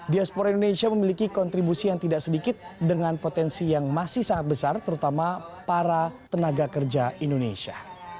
diaspora indonesia memiliki kontribusi yang tidak sedikit dengan potensi yang masih sangat besar terutama para tenaga kerja indonesia